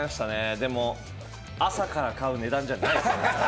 でも、朝から買う値段じゃないですね。